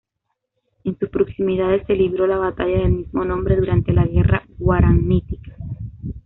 En sus proximidades se libró la batalla del mismo nombre durante la Guerra Guaranítica.